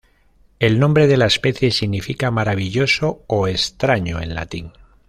El nombre de la especie significa "maravilloso" o "extraño" en latín.